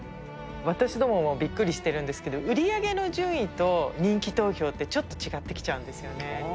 私どももびっくりしてるんですけど、売り上げの順位と人気投票ってちょっと違ってきちゃうんですよね。